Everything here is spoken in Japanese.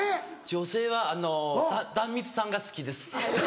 女性は壇蜜さんが好きです。